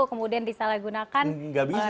kemudian disalahgunakan oleh orang lain